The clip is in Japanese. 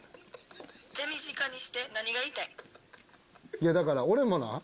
いやだから俺もな。